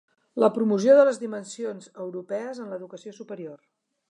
La promoció de les dimensions europees en l'educació superior